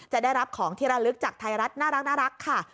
จะได้รับของที่ระลึกจากไทยรัฐน่ารักค่ะ